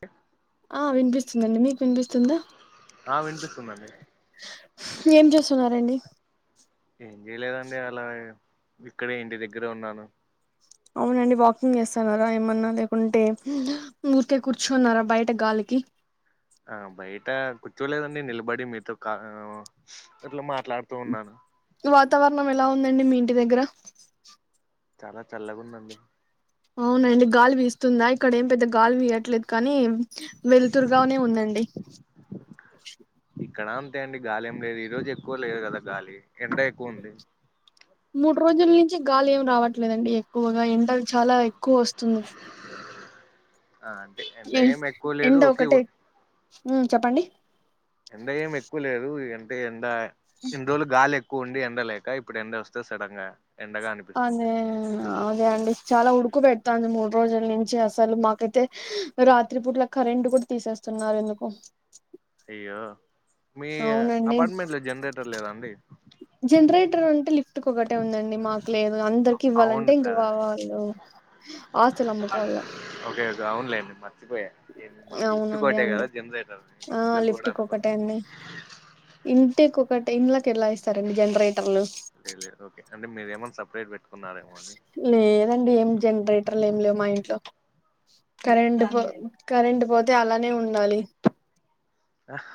క్ ఆ వినిపిస్తుందండి మీకు వినిపిస్తుందా ఆ వినిపిస్తుందండి ఏం చేస్తున్నారండి ఏం చేయలేదండి అలా ఇక్కడే ఇంటి దగ్గరే ఉన్నాను అవున అండి వాకింగ్ చేస్తున్నారా ఏమన్నా లేకుంటే ఊరికే కూర్చున్నారా బయట గాలికి ఆ బయట కూర్చోలేదండి నిలబడి మీతో కా అట్లా మాట్లాడుతూ ఉన్నాను వాతావరణం ఎలా ఉందండి మీ ఇంటి దగ్గర చాలా చల్లగుందండి అవునండి గాలి వీస్తుందా ఇక్కడ ఏం పెద్ద గాలి వీయట్లేదు కానీ వెలుతురుగానే ఉందండి ఇక్కడ అంతే అండి గాలి ఏం లేదు ఈ రోజు ఎక్కువ లేదు కదా గాలి ఎండ ఎక్కువ ఉంది మూడు రోజుల నుంచి గాలి ఏం రావట్లేదండి ఎక్కువగా ఎండలు చాలా ఎక్కువ వస్తుంది ఆ అంటే ఎండ ఏం ఎక్కువ లేదు ఓకే మ్ చెప్పండి ఎండ ఏమి ఎక్కువ లేదు అంటే ఎండ ఇన్ని రోజులు గాలి ఎక్కు. ఉండి ఎండలేక ఇప్పుడు ఎండ వస్తే సడన్ గా, ఎండగా అనిపిస్తుంది అదే ఆ హే ఆ ఆ అదే అండి చాలా ఉడుకు పెడతాంది మూడు రోజుల నుంచి అసలు మాకైతే, రాత్రి పూట్లా కరెంట్ కూడా తీసేస్తున్నారు ఎందుకో, అయ్యో మీ అవునండి అపార్ట్మెంట్ లో జనరేటర్ లేదా అండి. జనరేటర్ అంటే లిఫ్ట్ ఒకటే ఉందండి మాకు, లేదు అందరికి ఇవ్వాలంటే అవును ఇంకా కదా వావాళ్ళు ఆస్తులు అమ్ముకోవాలనా. మచ్చిపోయా మనం లిఫ్ట్ కొట్టే కదా జనరేటర్. ఆ లిఫ్ట్కి ఒకటే అండి. ఇంటికి ఒకటి ఇంళకి ఎలా ఇస్తారండి జనరేటర్లు. డీ లేర్ ఓకే అంటే మీరుేమన్నా సపరేట్ పెట్టుకో లేదండి ఏం జనరేట్. ఇన్ టర్లుం లేవు మా ఇంట్లో కరెంట్ పోతే అలానే ఉండాలి. ఆహ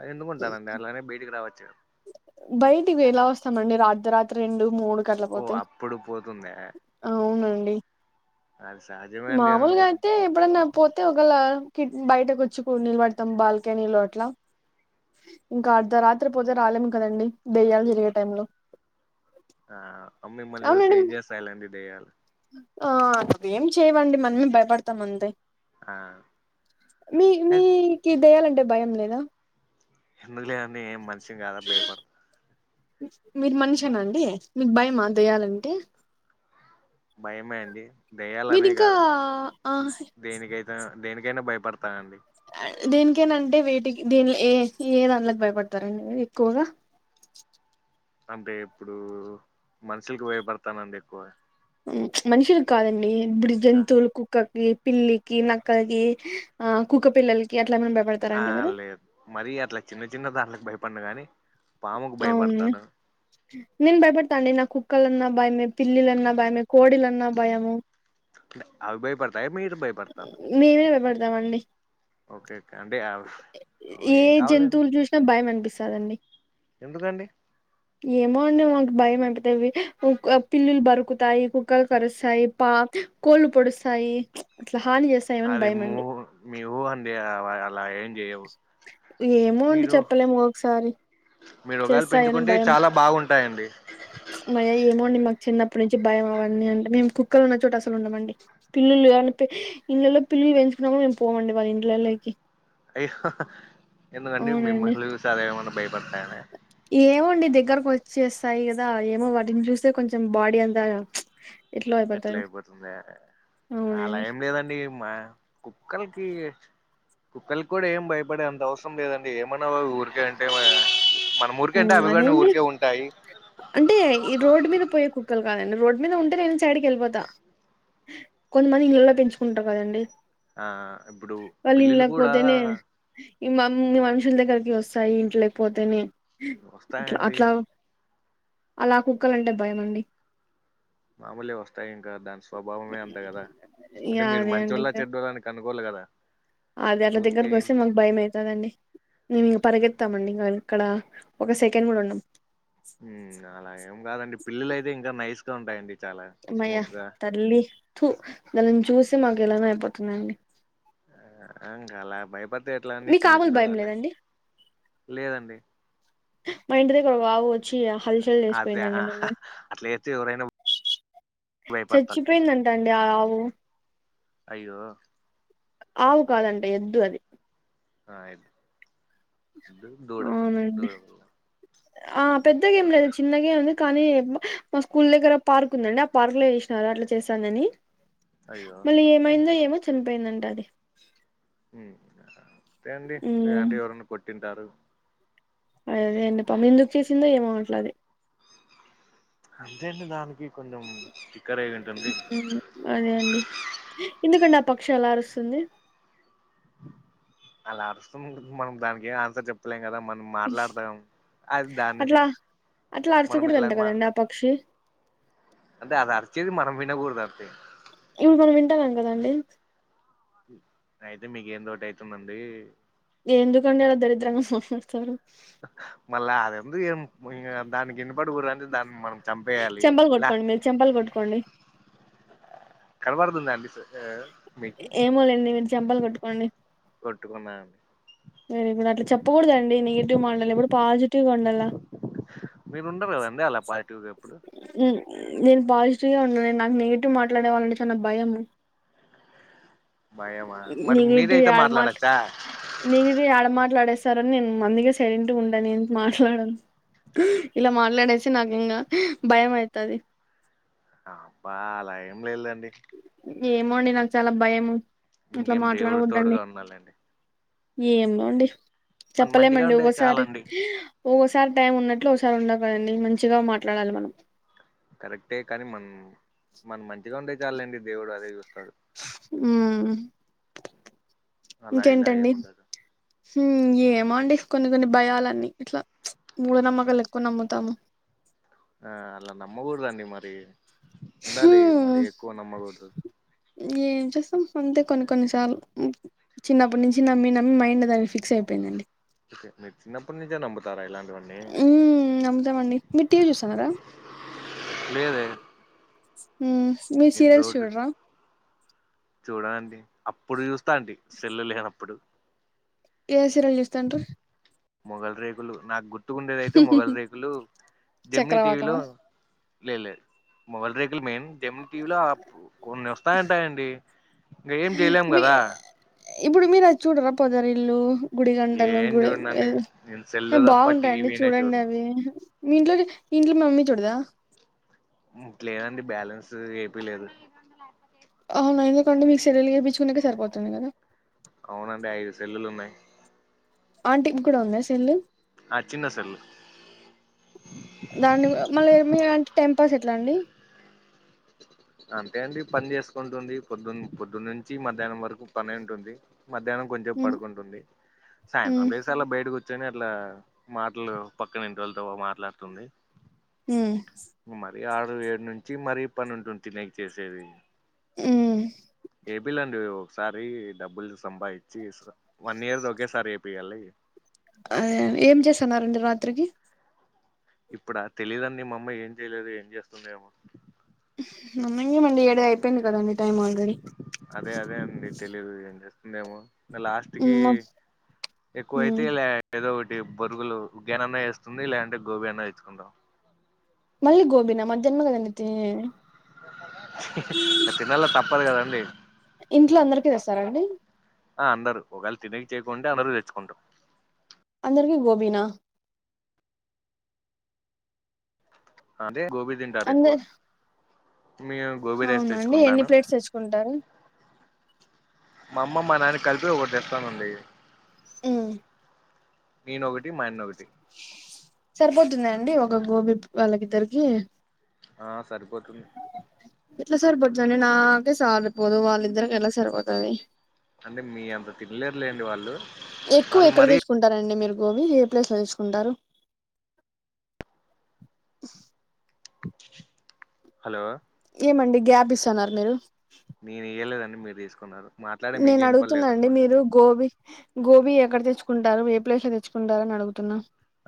అది ఎందుకుంటనండి అలానే బయటికి రావచ్చు. బయటికు ఎలా వస్తామండి రాత్రి అర్ధ రాత్రి రెండు మూడు. ఓ కట్లపోతే అప్పుడు పోతుందా అవునండి. అది సహజ హు, మామూలుగా అయితే ఎప్పుడన్నా. పోతే ఒకళ కి బయటకు వచ్చి కూ నిీళ పడతాం బాల్కెనీలో అట్లా. ఇంకా ఉమ్. అర్ధరాత్రి పోతే రాలేము కదండి దెయ్యాలు తిరిగే టైమ్ లో, ఆ మ్ మిమ్మల్ని చూసి అవునండి ఏం చేస్తాయిలేండి దే య్యాలు ఆ ఏం చేయవండి మనమే భయపడతాము అంతే. ఆ మీ ఏ, మీకి దేయాలంటే భయం లేదా, ఎందుకు లెండి ఏం మనిషం కాదా భయపడను. మీరు మనిషేనా అండి మీకు భయమా దయ్యాలంటే. భయమే అండి దేయ్యాాల మీరు అనే ఇంకా కాదు. ఆ దేనికైతా దేనికైనా భయపడతానండి. దేనికేనాంటే వేటికి దీనిలో ఏ ఏ దాంలోకి భయపడతారండి మీరు ఎక్కువగా, అంటే ఇప్పుడు మనుషులకి భయపడతానండి ఎక్కువ, ఉమ్ మనుషులకి కాదండి ఇప్పుడి ఆ జంతువులు కుక్కకి, పిల్లికి నక్కలకి ఆ కుక్క పిల్లలకి అట్లా ఏమైనా భయపడత. ఆ లేదు మరి అట్లా చిన్న చిన్న దాంట్కి భయపండి గాని, పాముకు అవును. భయపడతాను నేను భయపడతాండి నా కుక్కలన్నా భయమే పిల్లిలన్నా భయమే కోడి లన్నా భయము. అవి భయపడతాయా మీరు భయపడతారు. మేమే భయ బడతామండి. ఓకే కే అంటే అవి ఏ ఏం కావాలండి జంతువులు చూసినా భయం అనిపిస్తాదండి. ఎందుకండి. ఏమో అండే మాకు భయం అయిపోతావి పిల్లులు బరుకుతాయి కుక్కలు కరుస్తాయి పా కోళ్ళు పొడుస్తాయి అట్లా హాని చేస్తా. అది ము మీవు అందిడి అలా ఏం చెయవు. ఏమో అండి చెప్పలేము ఒక్కొక్కసారి మీకు ఒకవేల పెంచుకుంటే చాలా బాగుంటాయండి మయ్ ఏమో అండి మాకు చిన్నప్పటి నుంచి భయం అవన్ని అంటే మేము కుక్కలు ఉన్న చోట అసలు ఉండమండి పిల్లి గాని పి ఇళ్లలో పిల్లిల్లు పెంచుకున్నమ మేము పోమండి వాళ్ళ ఇండ్లలోకి అయ్యో ఎందుకండి అవునండి మిమ్మల్ని చూసి అది ఏమన్నా భయపడుతాయన ఏమోండి దగ్గరకు వచ్చేస్తాయి కదా ఏమో వాటిని చూస్తే కొంచెం బాడీ అంతా ఎట్లో అట్లా అయిపోతది అయిపోతుందా అని అలా అవునండి ఏం లేదండి మా కుక్కలకి కుక్కలక్ కూడా ఏం భయపడే అంత అవస్ సరం లేదండి ఏమన్నా ఊరికే అంటే వ్ మ్ అదెంది అంటే ఈ రోడ్డు మీద పోయే కుక్కలు కాదండి రోడ్ మీద ఉంటే నేను సైడ్కి వెళ్లిపోతా కొంతమంది ఇళ్ళళ్ళో పెంచుకుంటారు కదండి ఆ ఇప్పుడు వాళ్ళు పిల్లిలు ఇండ్లకు కూడా పోతేనే ఈ మీ మనుషుల దగ్గరకి వస్తాయి ఇంట్లక్ పోతేనే అట్లా వస్తాయండి అట్లా అలా కుక్కాలంటే భయం అండి మామూలే వస్తాయి ఇంకా దాని స్వభావమే అంత కదా యా అంటే మీరు అదే అండి మంచోళ్ళ ఇంకా చెడ్డోళ్ళ కనుకోవలే కదా అది అట్ల ఊరికే దగ్గరికి వస్తే ఇంట్లో మాకు భయం అయితాదండి మేము ఇగ పరిగెత్తామండి ఇంగ ఇక్కడ ఒక సెకండ్ కూడా ఉండం మ్ అలా ఏం కాదండి పిల్లలు అయితే ఇంకా నైస్ గా ఉంటాయండి చాలా స్మూత్ గా సర్లే తు వాళ్ళని చూస్తె మాకు ఎలానో అయిపోతుందండి అ ఇంకా అలా భయపడితే ఎట్లా అండి మీకు చిన్న ఆవులు చిన్న భయం దాన్లక్ లేదండి లేదండి మా ఇంటి దగ్గర వాగు వచ్చి హల్చల్ చల్ చేసి అదే పోయిందండి ఆ, మొన్న అట్లా అయితే ఎవరైనా భయపడతారు చచ్చిపోయిందం దండీ ఆ ఆవు అయ్యో ఆవు కాదంటే ఎద్దు అది ఆ ఎద్ దూడ అవునండి దూడపిల్ల ఆ పెద్ద గేమ్ లేదు చిన్నగే ఉంది కానీ మా స్కూల్ దగ్గర పార్క్ ఉందండి ఆ పార్కులో చూసిన కదా అట్లా చేస్తాందని అయ్యో మళ్ళీ ఏమైందో ఏమో చనిపోయిందంట అది మ్ అంతే అండి ఆంటీ ఉమ్ లేదంటే ఎవరన్న కొట్టింటారు అదే అదే అండి పని ఎందుకు చేసిందో ఏమో అట్లా అది అంతే అండి దానికి కొంచెం తిక్క రేగిఉంటుంది మ్ అదే అండి ఎందుకండీ ఆ పక్షి అలా అరుస్తుంది అలా అడుస్తునందుకు మనం దానికి ఏ ఆన్సర్ చెప్పలేం కదా మన్ మాట్లాడతాం అది దాన్ని అట్లా అట్లా మనం ఎలా అరచకూడదంట మా కదండి ఆ పక్షి అంటే అది అరిచేది మనం వినకూడదు అంతే ఇప్పుడు మనం వింటాన్నాం కదండి అయితే మీకు ఏందోటి అయితుందంది ఎందుకండి అలా దరిద్రంగా మాట్లాడుతారు మల్ల అది ఎందుకు ఏం ఇంగ దానికి ఇనపడకూడదంటే దాన్ని మనం చంపేయాలి చెంపల్ లా కొట్కోండి మీరు చెంపల్ కొట్కోండి కనబడుతుంద ఏ ఏమోలేండి మీరు చంపలు కొట్టుకోండి కొట్టుకున్నా వెరీ గుడ్ అట్లా చెప్పకూడదండి నెగిటివ్ మాటలు ఎప్పుడు పాజిటివ్గా ఉండాల మీరు ఉండరు కదండి అలా పాజిటివ్గా ఎప్పుడు నేను పాజిటివ్గా ఉన్న నాకు నెగిటివ్ మాట్లాడే వాళ్ళంటే చానా భయము భయమా మరి మీరయితే మాట్లాడచ్చా నీను ఇది ఆడ మాట్లాడేస్తారు అని నేను అందుకే సైలెంట్ గా ఉంటా నేను మాట్లాడను ఇలా మాట్లాడేసి నాకు ఇంగా భయం అయితది అబ్బా అలా ఏం లేదండి ఏమోండి నాకు చాలా భయము మీకేం దేవుడి తోడుగా ఉన్నాల్లేండి ఏమండి మనం మంచిగా చెప్పలేమండి ఉంటే ఒకోసారి చాలండి ఒకోసారి టైం ఉన్నట్లు ఒకసారి ఉండవు కదండి మంచిగా మాట్లాడాలి మనం కరెక్టే కానీ మన మనం మంచిగా ఉండే చాల్లే అండి దేవుడు అదే చూస్తాడు ఉ అలా ఇలా ఇంకేంటి అండి ఏముండదు ఏమో అండి కొన్ని కొన్ని భయాలన్నీ ఇట్లా మూఢనమ్మకాలు ఎక్కువ నమ్ముతాము ఆ అలా నమ్మకూడదుండి మరి ఉండాలి హ్మ్ మరి ఎక్కువ నమ్మకూడదు ఏం చేస్తాం అంతే కొన్ని కొన్నిసార్లు చిన్నప్పటి నుంచి నమ్మి నమ్మి మైండ్ దానికి ఫిక్స్ అయిపోయిందండి మీరు చిన్నప్పుటి నుంచే నమ్ముతారా ఇలాంటి ఉ నమ్ముతామండి మీరు టీవీ చూస్తన్నారా లేదే హ నేను రోడ్డు చూడ అండి అప్పుడు చూస్తా అండి సెల్ల్ లేనప్పుడు ఏ సీరియలు చూస్తాండ్రి మొఘల్ రేకులు నాకు గుర్తుకు ఉండేది అయితే మొఘల్ రేకులు జెమిని టీవీలో చక్రవాకమా లే లే మొబైల్ రేకులు మెయిన్ జెమిటీవీలా ఆ వస్తాంటాయండి ఏం చేయలేం మీ కదా ఇప్పుడు మీరు అది చూడరా పొదరిల్లు గుడి గంటలు ఏం గుడి చూడనండి నేను సెల్లు తప్ప బాగుంటాయండి టీవీనే చూడండి చూడను అవి మీ ఇంట్లో మీ ఇంట్లో మమ్మీ చూడదా లేదండి బ్యాలెన్స్ ఏపీయలేదు లేపోతే అవును ఎందుకంటే మీకు సెల్లులో చెప్పించుకో నీకే సరిపోతుంది కదా అవునండి ఐదు సెల్లులు ఉన్నాయి ఆంటీ కి కూడా ఉందా సెల్లు ఆ చిన్న సేల్లు దాన్ని మళ్ళీ ఏమి అంటే టెంపాస్ ఎట్లా అండి అంతే అండి పని చేసుకుంటుంది పొద్దున్న పొద్దున్న నుంచి మధ్యాహ్నం వరకు పని ఉంటుంది మధ్యాహ్నం కొంచేపు ఉమ్ పడుకుంటుంది ఉమ్ సాయంత్రం చాలా బయట కూర్చుని అట్లా మాటలు పక్కన ఇంటి వాళ్ళతో మాట్లాడుతుంది ఉమ్ మరి ఆరు ఏడు నుంచి మరి పని ఉంటుంది తినేకి చేసేది ఉ ఏపీలండి ఒకసారి డబ్బులు సంపాదిచ్చి ఇస్త వన్ ఇయర్ ది ఒకేసారి ఏపియాలి. అ ఏం చేస్తున్నారండి రాత్రికి. ఇప్పుడా తెలీయదండి మామ్మ ఏం చేయలేదు ఏం చేస్తుందో ఏమో. ముందుగానే ఏడు అయిపోయింది కదండి టైం ఆల్రెడీ. అదే అదే అండి తెలీదు ఏం చేస్తుందో ఏమో. ఇంగ లాస్ట్ ఉమ్ కి ఎక్కువ ఉమ్ అయితే లే. ఏదో ఒకటి బొరుగులు గేనన్నా వేస్తుంది లేదంటే గోబీ అన్నా తెచ్చుకుంటాం. మళ్ళీ గోబిన మధ్యాహనమే తినీ. ఇంక తినాల తప్పదు కదండి ఇంట్లో అందరికి తెస్తారండి ఆ అందరు ఒకవేళ తినేకి చేయకుంటే అందరు తెచ్చుకుంటాం. అందరికి గోబినా. అదే గోబీ తింటారు ఎక్కువ అందరు మీ గోబి రైస్ అవునండి ఎన్ని తెచ్చుకుంటాను. ప్లేట్స్ తెచ్చుకుంటారు మా అమ్మ మా నాన్నకి కలిపి ఒకటి తెస్తానండి. మ్మ్ నేను ఒకటి మాయన్న ఒకటి. సరిపోతుంద అండి ఒక గోబీ వాళ్ళకిద్దరికి. ఆ సరిపోతుంది. ఎట్లా సరిపోతది నాకే సారిపోదు వాళ్ళిద్దరికి ఎలా సరిపోతాది. అంటే మీ అంత తినలేరు లేండి వాళ్ళు. ఎక్కువ వాళ్ళు ఎక్కడ మరీ తెచ్చుకుంటారండి మీరు గోబీ ఏ ప్లేస్ లో తీసుకుంటారు. హలో. ఏమండి గ్యాప్ ఇస్తన్నారు మీరు. నేను ఇయ్యలేదండి మీరు తీసుకున్నారు, మాట్లాడే మీకే ఇనిపలేదు అనుకుంటా. గోబి గోబీ ఎక్కడ తెచ్చుకుంటారు ఏ ప్లేస్ లో తెచ్చుకుంటారు అని అడుగుతున్నా.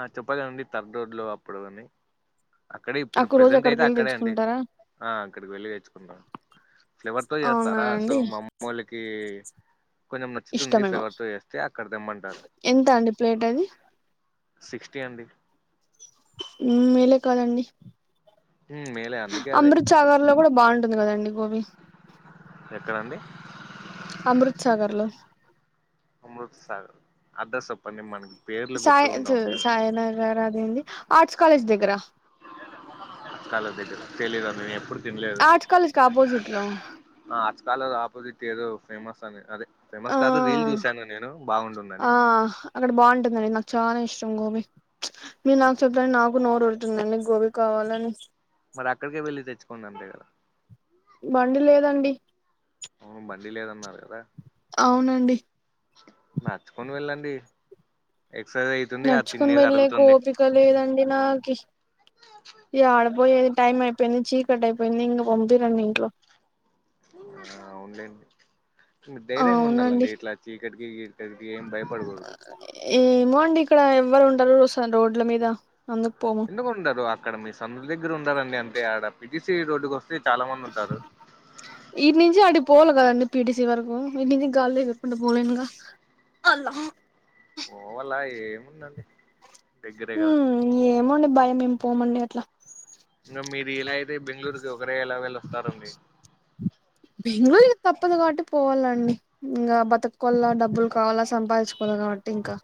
ఆ చెప్పగానండి థర్డ్ రోడ్ లో అప్పుడు అని. అక్కడ ఇప్పుడు అక్క రోజు ప్రజెంట్ అక్కడికి అయితే వెళ్ళి అక్కడే అండి తెచ్చుకుంటారా ఆ అక్కడికి వెళ్ళి తెచ్చుకుంటాం. ఫ్లేవర్ తో అవునా చేస్తారా సో అండి మా అమ్మోళ్ళకి. కొంచెం నచ్చుతుంది ఇష్టమేమో ఫ్లేవర్తో చేస్తే అక్కడ తేమ్మంటారు. ఎంత అండి ప్లేట్ అది సిక్స్టీ అండి మేలే కాదండి మేలే అందుకే అదే అమృత్ చాగర్లో కూడా బాగుంటది కదండి గోబీ. ఎక్కడండి అమృత్సాగర్లో అమృతసాగర్ అడ్రస్ చెప్పండి మనకి పేర్లు గుర్తుకుండవ్ అంతగ ఎవరనేది ఆర్ట్స్ కాలేజ్ దగ్గర ఆర్ట్స్ కాలేజ్ దగ్గర తెలీదు నేను ఎప్పుడు తినలేదు. ఆర్ట్స్ కాలేజ్ కి ఆపోజిట్ లో ఆ ఆర్ట్స్ కాలేజీ ఆపోజిట్ ఏదో ఫేమస్ అని అదే. ఆ ఫేమస్ కాదు రీల్ చూశాను నేను బాగుంటుందని. ఆ అక్కడ బాగుంటుందండి నాకు చాలా ఇష్టం గోబీ మీరు నాకు ఓకే చెప్తానే నాకు నోరు ఊరు ఉంటుందండి గోబీ కావాలని. మరి అక్కడికే వెళ్లి తెచ్చుకునన్నా నేను. బండి లేదండి. అవు బండి లేదన్నారు కదా. అవునండి నడుచుకొని వెళ్ళండి ఎక్ససయిజ్ నడుచుకొని వెళ్ళేకి ఓపిక లేదండి నాకు ఇస్ ఎడపోయేది టైం అయిపోయింది చీకటి అయి నన్ను ఇంగ పంపిరండి ఇంట్లో ఆ అవున్లేండి మీరు ధైర్యంగా ఉండాలండి అవునండి ఇట్లా చీకటికి ఇతరికి ఏం భయపడకూడదు ఏమో అండి ఇక్కడ ఎవ్వరు ఉండరు అసల రోడ్ల మీద అందుకు పోము ఎందుకు ఉండరు అక్కడ మీ సందు దగ్గర ఉండరండి అంటే అడ పిటిసి రోడ్డు చాలా మంది ఉంటారు ఇటీ నుంచి అడికి పోవాలి కదండి పీటీసీ వరకు ఇట్ నించి గాల్లో ఎగుర్కుంటా పోలేన్గా అల్హా పోవలా ఏముందండి దగ్గరే కదా ఉమ్ ఏమో అండి భయం మేమ్ పోమండి అట్లా ఇంకా మీరు ఇలా అయితే బెంగళూరుకి ఒకరే ఎలా వెళ్ళి వస్తారండి బెంగళూరుకి తప్పదు కాబట్టి పోవళ్ళండి ఇంకా బతుక్కోల డబ్బులు కావాలా సంపాదించుకోవాల కాబట్టి ఇంకా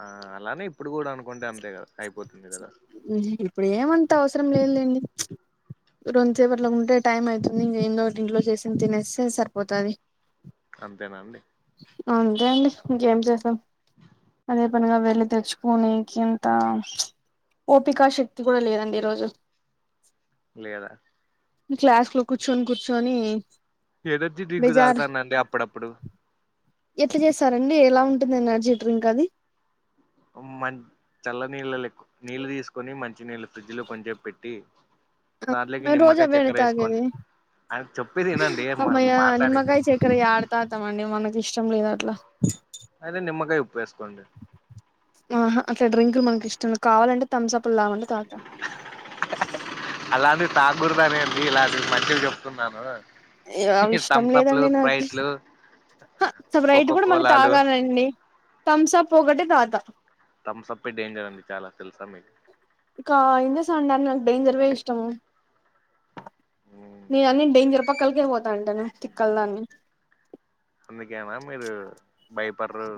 ఆ అలానే ఇప్పుడు కూడా అనుకుంటే అంతే కదా అయిపోతుంది కదా ఇప్పుడు ఏమంత అవసరం లేదులేండి రెండుసేపట్లో ఉంటే టైమ్ అయితుంది ఇంకేందోటి ఇంట్లో చేసింది తినేస్తే సరిపోతది అంతేనండి అంతే అండి ఇంకేం చేస్తాం అదే పనిగా వెళ్లి తెచ్చుకోనికింత ఓపికా శక్తి కూడా లేదండి ఈరోజు లేదా మీ క్లాస్లో కూర్చొని కూర్చొని ఎనర్జీ డ్రింక్ బేజార్ తాగుతానండి అప్పుడప్పుడు ఎట్ల చేస్తారండి ఎలా ఉంటుంది ఎనర్జీ డ్రింక్ అది ఒమ్మన్ చల్ల నీళ్ళళ్ళకు నీళ్ళు తీసుకొని మంచి నీళ్ళు ఫ్రిడ్జ్లో కొంచేపు పెట్టి దాంట్లోకి మేము రోజు నిమ్మకాయ అవేనా చెక్కెర తాగేది ఎసుకోండి అయిన చెప్పేదినండి మా మాట్లాడేది ఇక్కడ ఎడతాతమండి మనకి ఇష్టం లేదు అట్లా అయితే నిమ్మకాయ ఉప్పు వేసుకోండి ఆహా అట్ల డ్రింకులు మనకి ఇష్టం కావాలంటే థమ్సప్లు తాగమంటే తాత అలాంటి తాగుదనే అండి ఇలాంటి మంచివి చెప్తున్నాను ఏం ఇష్టం థమ్సప్లు లేదండి నాకి స్ప్రైట్లు హ స్ప్రైట్ కోకో కూడా మళ్ళీ కోలాలు తాగానండి థమ్సప్ ఒకటే తాగుతా థమ్స్అపే డేంజర్ అండి చాలా తెలుసా మీకు ఇంక ఏం చేస్తాన్ అండి నాకు డేంజర్వే ఇష్టము నేను అన్ని డేంజర్ పక్కలకే పోతానంటాను తిక్కల దాన్ని అందుకేనా మీరు బయపడ్రు